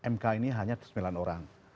mk ini hanya sembilan orang